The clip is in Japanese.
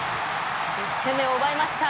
１点目を奪いました。